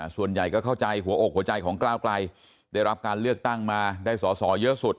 ส่วนใหญ่ก็เข้าใจหัวอกหัวใจของกล้าวไกลได้รับการเลือกตั้งมาได้สอสอเยอะสุด